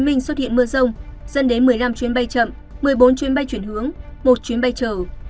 bình xuất hiện mưa rông dân đến một mươi năm chuyến bay chậm một mươi bốn chuyến bay chuyển hướng một chuyến bay chờ